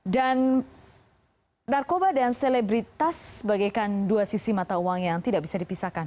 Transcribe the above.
dan narkoba dan selebritas bagaikan dua sisi mata uang yang tidak bisa dipisahkan